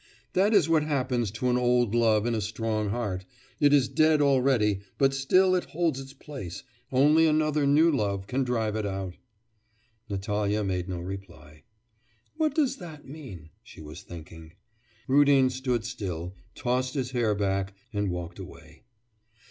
'That is what happens to an old love in a strong heart; it is dead already, but still it holds its place; only another new love can drive it out.' Natalya made no reply. 'What does that mean?' she was thinking. Rudin stood still, tossed his hair back, and walked away.